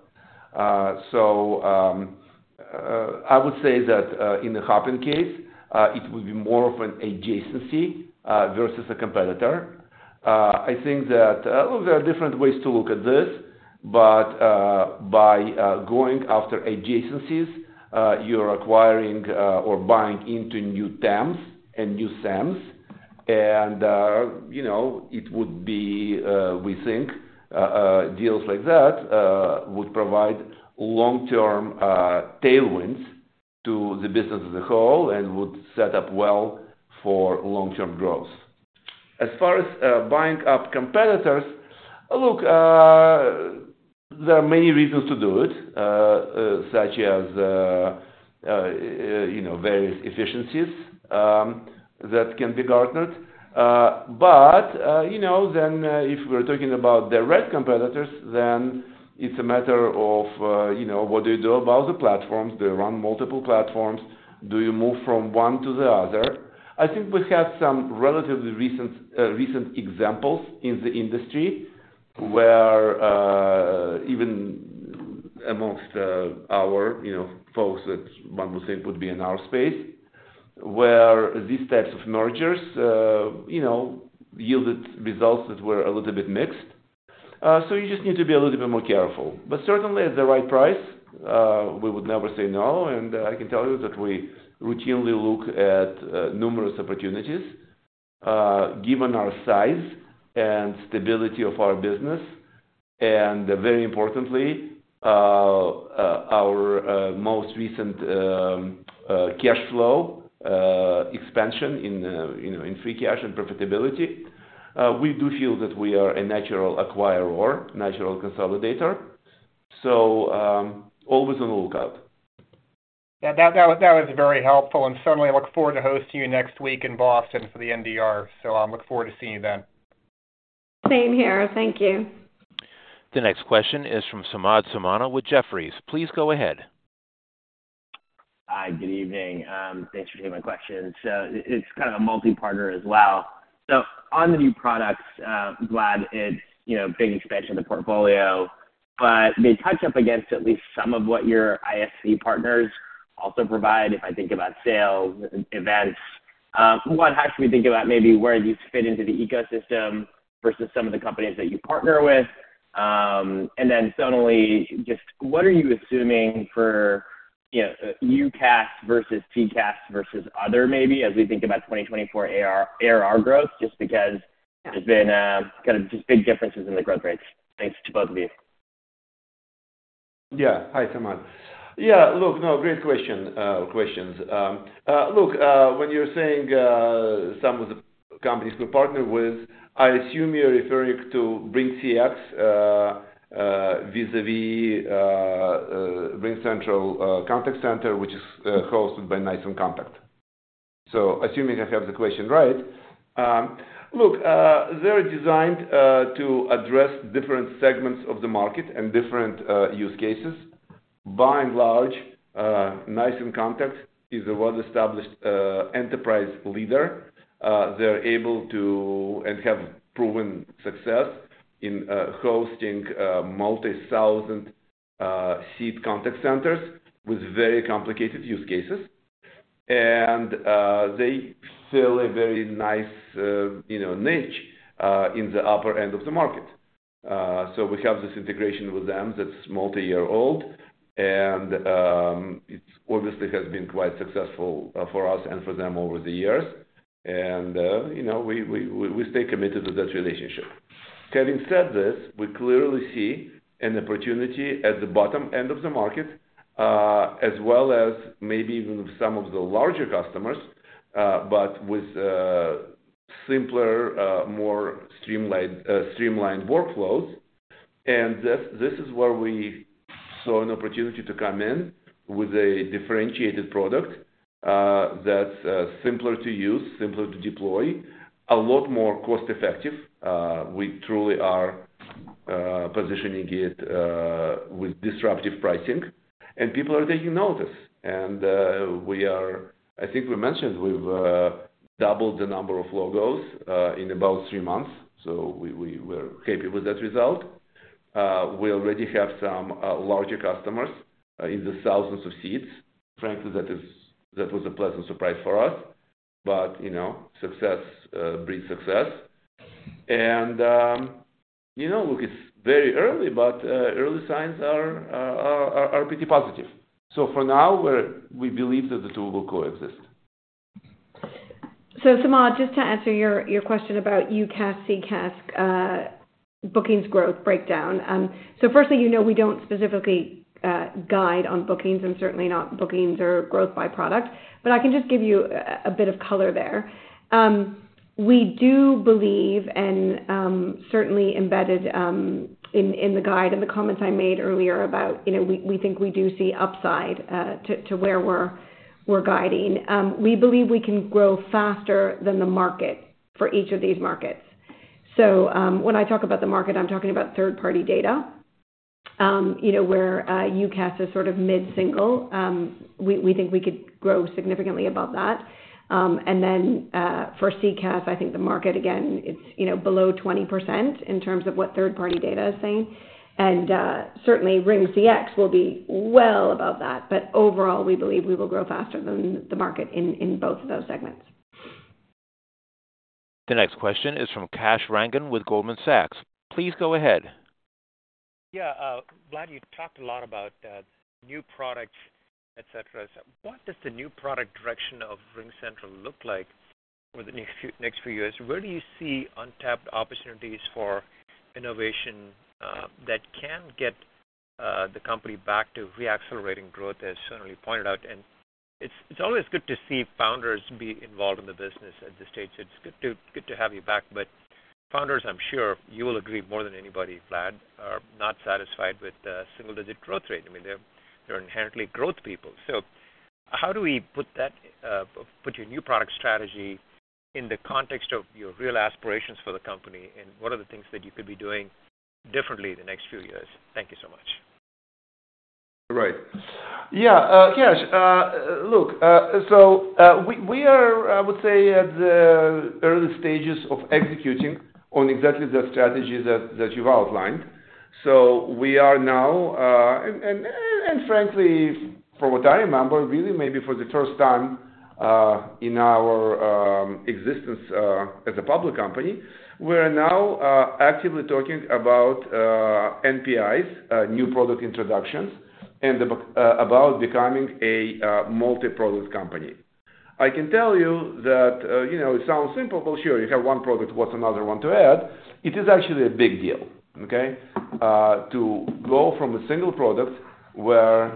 So, I would say that, in the Hopin case, it would be more of an adjacency versus a competitor. I think that, look, there are different ways to look at this, but, by going after adjacencies, you're acquiring or buying into new TAMs and new SAMs. And, you know, it would be, we think, deals like that would provide long-term tailwinds to the business as a whole and would set up well for long-term growth. As far as buying up competitors, look, there are many reasons to do it, such as, you know, various efficiencies that can be garnered. But you know, then, if we're talking about the right competitors, then it's a matter of, you know, what do you do about the platforms? Do they run multiple platforms? Do you move from one to the other? I think we have some relatively recent examples in the industry, where even amongst our you know folks that one would say would be in our space, where these types of mergers you know yielded results that were a little bit mixed. So you just need to be a little bit more careful. But certainly, at the right price, we would never say no, and I can tell you that we routinely look at numerous opportunities, given our size and stability of our business, and very importantly, our most recent cash flow expansion in, you know, in free cash and profitability. We do feel that we are a natural acquirer, natural consolidator, so always on the lookout. Yeah, that was very helpful, and certainly I look forward to hosting you next week in Boston for the NDR. I look forward to seeing you then. Same here. Thank you. The next question is from Samad Samana with Jefferies. Please go ahead. Hi, good evening. Thanks for taking my question. So it's kind of a multi-part as well. So on the new products, glad it's, you know, big expansion of the portfolio, but they touch up against at least some of what your UC partners also provide, if I think about sales and events. How should we think about maybe where these fit into the ecosystem versus some of the companies that you partner with? And then secondly, just what are you assuming for, you know, UCaaS versus CCaaS versus other, maybe as we think about 2024 ARR growth, just because there's been kind of just big differences in the growth rates. Thanks to both of you. Yeah. Hi, Samad. Yeah, look, no, great question, questions. Look, when you're saying some of the companies we partner with, I assume you're referring to RingCX vis-a-vis RingCentral contact center, which is hosted by NICE inContact. So assuming I have the question right, look, they're designed to address different segments of the market and different use cases. By and large, NICE inContact is a well-established enterprise leader. They're able to and have proven success in hosting multi-thousand-seat contact centers with very complicated use cases. And they fill a very nice, you know, niche in the upper end of the market. So we have this integration with them that's multi-year-old, and it obviously has been quite successful for us and for them over the years. And you know, we stay committed to that relationship. Having said this, we clearly see an opportunity at the bottom end of the market, as well as maybe even some of the larger customers, but with simpler, more streamlined workflows. And this is where we saw an opportunity to come in with a differentiated product that's simpler to use, simpler to deploy, a lot more cost-effective. We truly are positioning it with disruptive pricing, and people are taking notice. I think we mentioned, we've doubled the number of logos in about three months, so we're happy with that result. We already have some larger customers in the thousands of seats. Frankly, that was a pleasant surprise for us. But you know, success breeds success. And you know, look, it's very early, but early signs are pretty positive. So for now, we believe that the two will coexist. So, Samad, just to answer your question about UCaaS, CCaaS, bookings growth breakdown. So firstly, you know, we don't specifically guide on bookings and certainly not bookings or growth by product, but I can just give you a bit of color there. We do believe and certainly embedded in the guide, in the comments I made earlier about, you know, we think we do see upside to where we're guiding. We believe we can grow faster than the market for each of these markets. So, when I talk about the market, I'm talking about third-party data. You know, where UCaaS is sort of mid-single. We think we could grow significantly above that. And then, for CCaaS, I think the market, again, it's, you know, below 20% in terms of what third-party data is saying. And certainly, RingCX will be well above that. But overall, we believe we will grow faster than the market in both of those segments. The next question is from Kash Rangan with Goldman Sachs. Please go ahead. Yeah, glad you talked a lot about new products, et cetera. So what does the new product direction of RingCentral look like?... over the next few, next few years, where do you see untapped opportunities for innovation, that can get the company back to re-accelerating growth, as certainly pointed out? And it's, it's always good to see founders be involved in the business at this stage. It's good to, good to have you back. But founders, I'm sure you will agree more than anybody, Vlad, are not satisfied with single-digit growth rate. I mean, they're, they're inherently growth people. So how do we put that, put your new product strategy in the context of your real aspirations for the company, and what are the things that you could be doing differently the next few years? Thank you so much. Right. Yeah, yes. Look, so, we are, I would say, at the early stages of executing on exactly the strategy that you've outlined. So we are now, and frankly, from what I remember, really maybe for the first time, in our existence, as a public company, we're now actively talking about NPIs, new product introductions, and about becoming a multi-product company. I can tell you that, you know, it sounds simple. Well, sure, you have one product, what's another one to add? It is actually a big deal, okay? To go from a single product where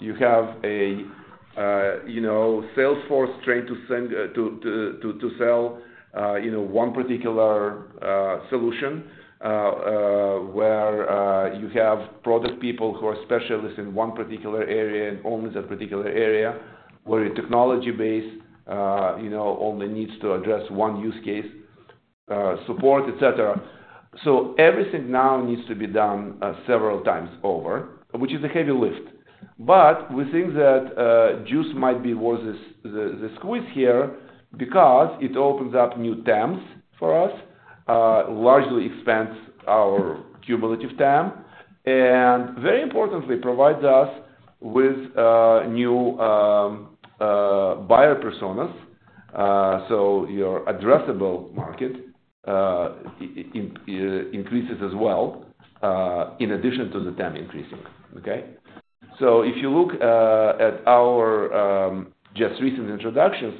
you have a, you know, sales force trained to sell, you know, one particular solution, where you have product people who are specialists in one particular area and only that particular area, where your technology base, you know, only needs to address one use case, support, et cetera. So everything now needs to be done several times over, which is a heavy lift. But we think that juice might be worth the squeeze here because it opens up new TAMs for us, largely expands our cumulative TAM, and very importantly, provides us with new buyer personas. So your addressable market increases as well, in addition to the TAM increasing, okay? So if you look at our just recent introductions,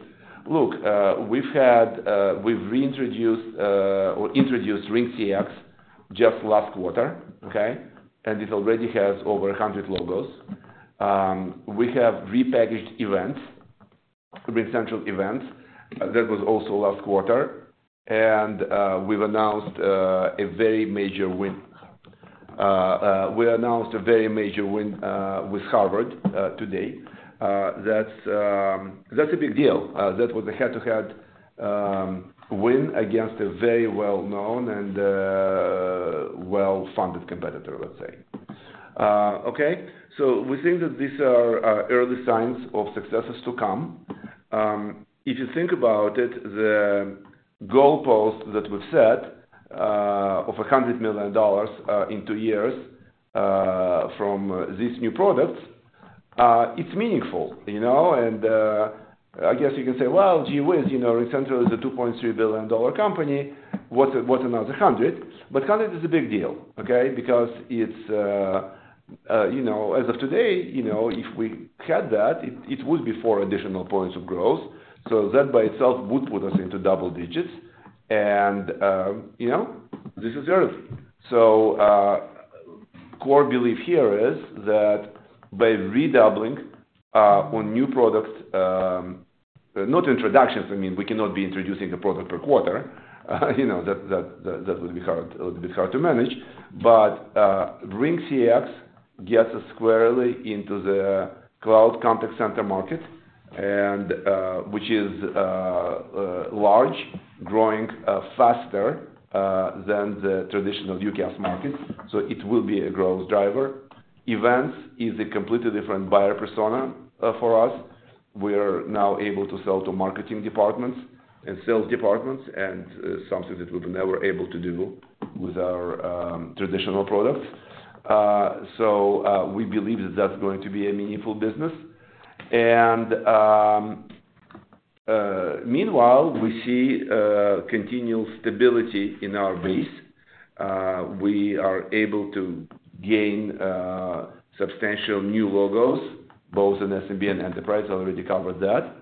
look, we've reintroduced or introduced RingCX just last quarter, okay? And it already has over 100 logos. We have repackaged Events, RingCentral Events. That was also last quarter. And we've announced a very major win. We announced a very major win with Harvard today. That's a big deal. That was a head-to-head win against a very well-known and well-funded competitor, let's say. Okay, so we think that these are early signs of successes to come. If you think about it, the goalpost that we've set of $100 million in two years from these new products, it's meaningful, you know? I guess you can say, "Well, gee whiz, you know, RingCentral is a $2.3 billion company. What's another $100 million?" But $100 million is a big deal, okay? Because it's, you know, as of today, you know, if we had that, it would be 4 additional points of growth. So that by itself would put us into double digits. And, you know, this is early. So, core belief here is that by redoubling on new products, not introductions, I mean, we cannot be introducing a product per quarter. You know, that would be hard, a little bit hard to manage. But, RingCX gets us squarely into the cloud contact center market, and which is large, growing faster than the traditional UCaaS market, so it will be a growth driver. Events is a completely different buyer persona for us. We are now able to sell to marketing departments and sales departments, and something that we were never able to do with our traditional products. So we believe that that's going to be a meaningful business. And meanwhile, we see continual stability in our base. We are able to gain substantial new logos, both in SMB and enterprise. I already covered that.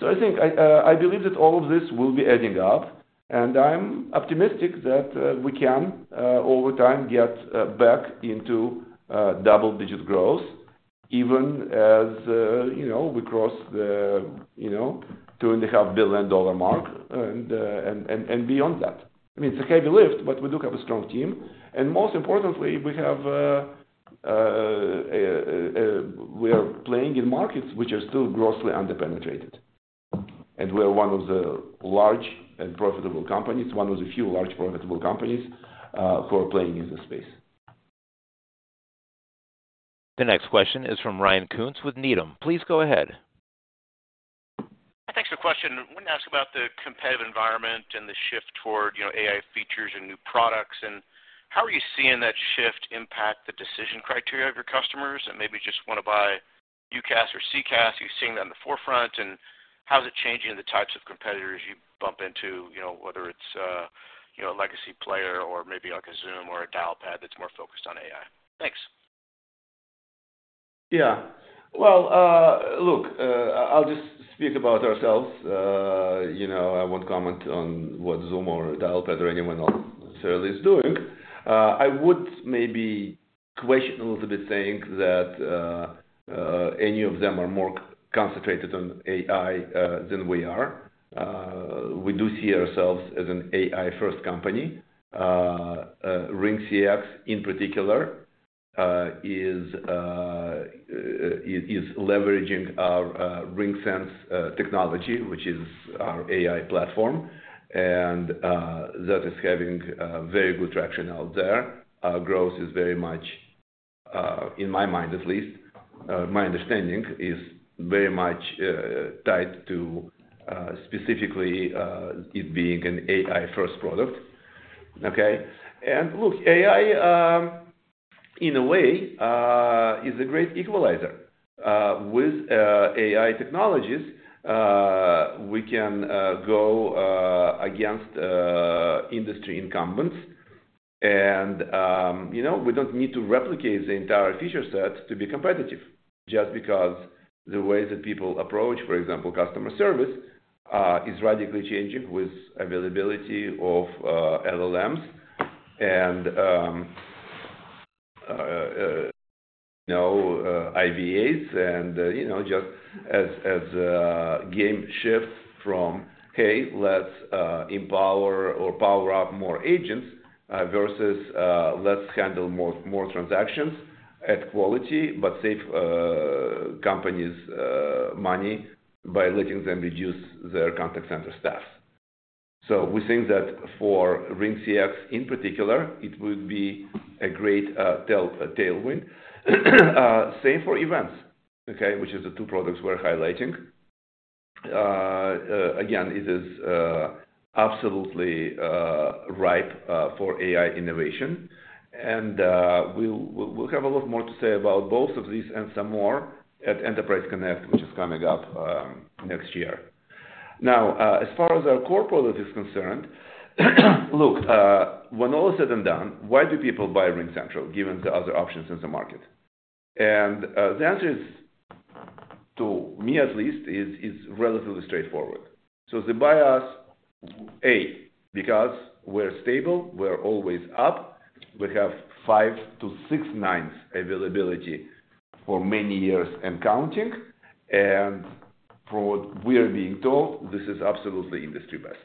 So I think I believe that all of this will be adding up, and I'm optimistic that we can over time get back into double-digit growth, even as you know we cross the you know $2.5 billion mark and beyond that. I mean, it's a heavy lift, but we do have a strong team, and most importantly, we are playing in markets which are still grossly underpenetrated. We're one of the large and profitable companies, one of the few large profitable companies, who are playing in this space. The next question is from Ryan Koontz with Needham. Please go ahead. Thanks for the question. I want to ask about the competitive environment and the shift toward, you know, AI features and new products, and how are you seeing that shift impact the decision criteria of your customers? And maybe just want to buy UCaaS or CCaaS, you've seen that in the forefront, and how is it changing the types of competitors you bump into, you know, whether it's, you know, a legacy player or maybe like a Zoom or a Dialpad that's more focused on AI? Thanks.... Yeah. Well, look, I'll just speak about ourselves. You know, I won't comment on what Zoom or Dialpad or anyone else necessarily is doing. I would maybe question a little bit saying that any of them are more concentrated on AI than we are. We do see ourselves as an AI-first company. RingCX, in particular, is leveraging our RingSense technology, which is our AI platform, and that is having very good traction out there. Our growth is very much, in my mind at least, my understanding, is very much tied to specifically it being an AI-first product. Okay? And look, AI, in a way, is a great equalizer. With AI technologies, we can go against industry incumbents and, you know, we don't need to replicate the entire feature set to be competitive, just because the way that people approach, for example, customer service, is radically changing with availability of LLMs and, you know, IVAs. And, you know, just as the game shifts from, hey, let's empower or power up more agents, versus let's handle more transactions at quality, but save companies money by letting them reduce their contact center staff. So we think that for RingCX, in particular, it would be a great tailwind. Same for events, okay? Which is the two products we're highlighting. Again, it is absolutely ripe for AI innovation, and we'll have a lot more to say about both of these and some more at Enterprise Connect, which is coming up next year. Now, as far as our core product is concerned, look, when all is said and done, why do people buy RingCentral given the other options in the market? And the answer is, to me at least, is relatively straightforward. So they buy us, A, because we're stable, we're always up. We have 5-6 nines availability for many years and counting, and from what we are being told, this is absolutely industry best.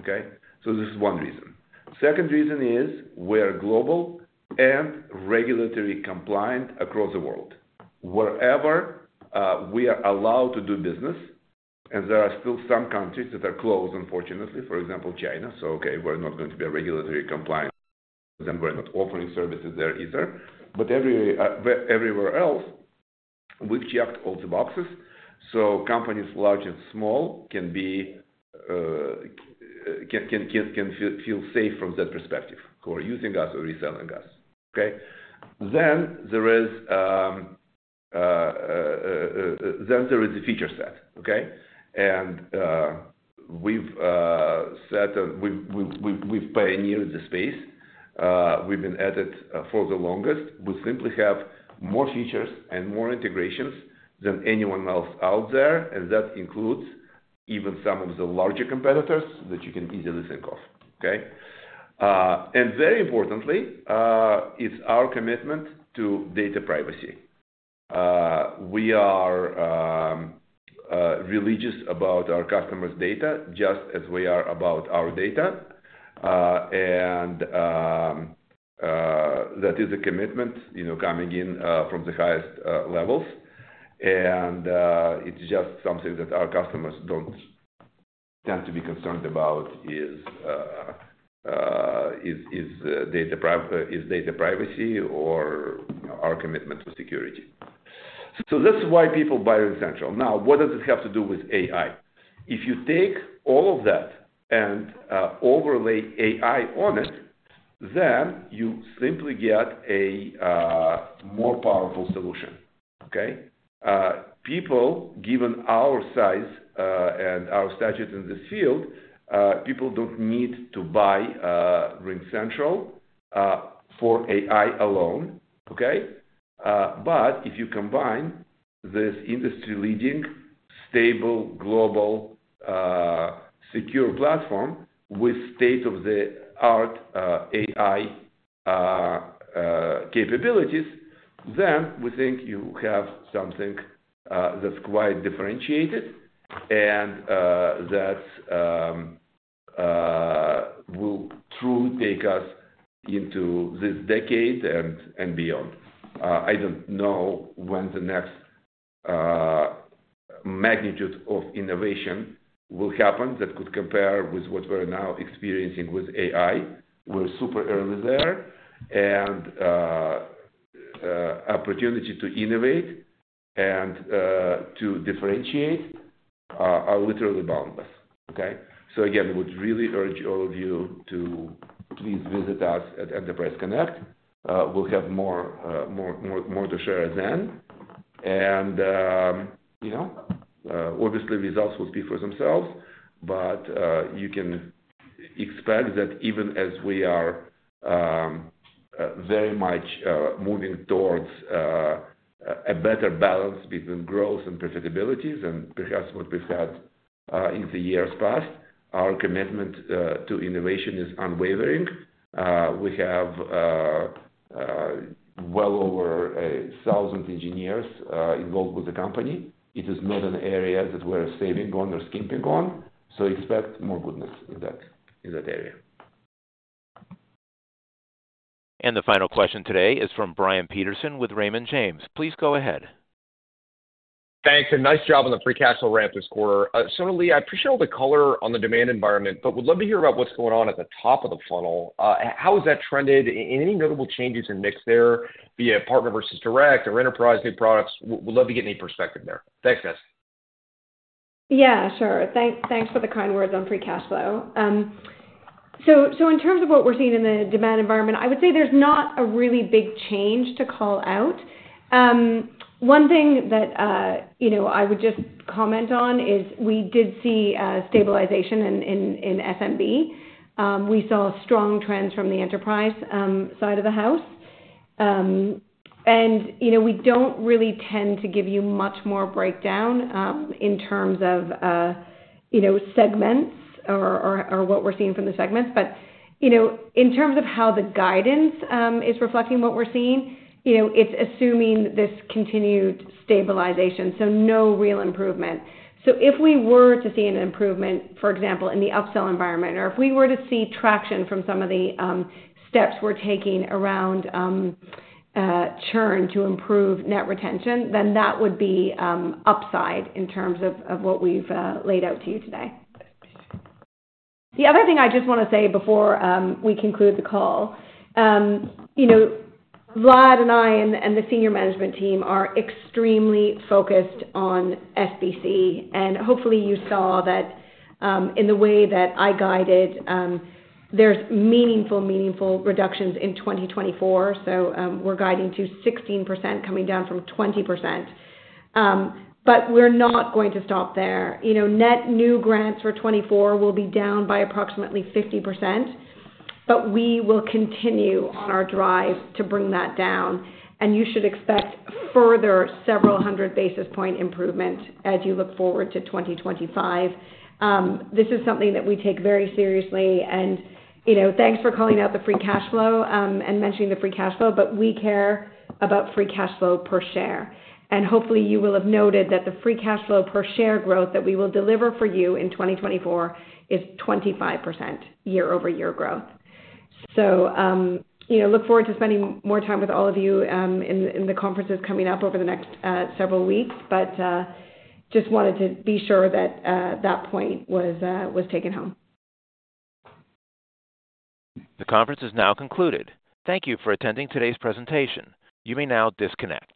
Okay? So this is one reason. Second reason is we're global and regulatory compliant across the world. Wherever we are allowed to do business, and there are still some countries that are closed, unfortunately, for example, China. So okay, we're not going to be regulatory compliant, then we're not offering services there either. But everywhere else, we've checked all the boxes, so companies large and small can feel safe from that perspective who are using us or reselling us. Okay? Then there is the feature set, okay? And we've pioneered the space. We've been at it for the longest. We simply have more features and more integrations than anyone else out there, and that includes even some of the larger competitors that you can easily think of, okay? And very importantly, it's our commitment to data privacy. We are religious about our customers' data, just as we are about our data. And that is a commitment, you know, coming in from the highest levels. And it's just something that our customers don't tend to be concerned about, is data privacy or our commitment to security. So this is why people buy RingCentral. Now, what does it have to do with AI? If you take all of that and overlay AI on it, then you simply get a more powerful solution, okay? People, given our size and our stature in the field, people don't need to buy RingCentral for AI alone, okay? But if you combine this industry-leading, stable, global, secure platform with state-of-the-art, AI capabilities, then we think you have something that's quite differentiated and that will truly take us into this decade and beyond. I don't know when the next magnitude of innovation will happen that could compare with what we're now experiencing with AI. We're super early there, and opportunity to innovate and to differentiate are literally boundless, okay? So again, we would really urge all of you to please visit us at Enterprise Connect. We'll have more to share then. And you know, obviously, results will speak for themselves, but you can-... Expect that even as we are, very much, moving towards, a better balance between growth and profitabilities, and perhaps what we've had, in the years past, our commitment, to innovation is unwavering. We have, well over 1,000 engineers, involved with the company. It is not an area that we're saving on or skimping on, so expect more goodness in that, in that area. The final question today is from Brian Peterson with Raymond James. Please go ahead. Thanks, and nice job on the free cash flow ramp this quarter. Sonalee, I appreciate all the color on the demand environment, but would love to hear about what's going on at the top of the funnel. How has that trended, and any notable changes in mix there, via partner versus direct or enterprise new products? Would love to get any perspective there. Thanks, guys. Yeah, sure. Thanks for the kind words on free cash flow. So, so in terms of what we're seeing in the demand environment, I would say there's not a really big change to call out. One thing that, you know, I would just comment on is we did see a stabilization in, in, in SMB. We saw strong trends from the enterprise, side of the house. And, you know, we don't really tend to give you much more breakdown, in terms of, you know, segments or, or, or what we're seeing from the segments. But, you know, in terms of how the guidance, is reflecting what we're seeing, you know, it's assuming this continued stabilization, so no real improvement. So if we were to see an improvement, for example, in the upsell environment, or if we were to see traction from some of the steps we're taking around churn to improve net retention, then that would be upside in terms of what we've laid out to you today. The other thing I just want to say before we conclude the call, you know, Vlad and I and the senior management team are extremely focused on SBC, and hopefully you saw that in the way that I guided, there's meaningful, meaningful reductions in 2024. So, we're guiding to 16%, coming down from 20%. But we're not going to stop there. You know, net new grants for 2024 will be down by approximately 50%, but we will continue on our drive to bring that down, and you should expect further several hundred basis point improvement as you look forward to 2025. This is something that we take very seriously, and, you know, thanks for calling out the free cash flow, and mentioning the free cash flow, but we care about free cash flow per share. And hopefully, you will have noted that the free cash flow per share growth that we will deliver for you in 2024 is 25% year-over-year growth. So, you know, look forward to spending more time with all of you, in the conferences coming up over the next several weeks, but just wanted to be sure that that point was taken home. The conference is now concluded. Thank you for attending today's presentation. You may now disconnect.